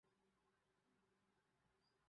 Its first "mansa" would be Sundiata Keita.